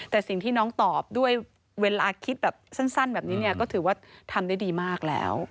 แต่สิ่งที่น้องตอบด้วยเวลาคิดแบบสั้นแบบนี้เนี่ยก็ถือว่าทำได้ดีมากแล้ว